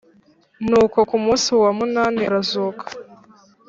Nuko ku munsi wa munani arazuka